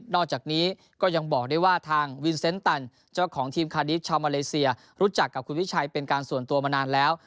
อกจากนี้ก็ยังบอกได้ว่าทางวินเซนต์ตันเจ้าของทีมคาดิสชาวมาเลเซียรู้จักกับคุณวิชัยเป็นการส่วนตัวมานานแล้ว